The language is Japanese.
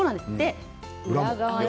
裏側に。